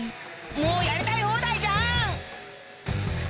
もうやりたい放題じゃん！